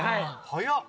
早っ。